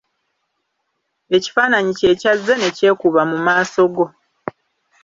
Ekifaananyi kye kyazze ne kyekuba mu maaso go.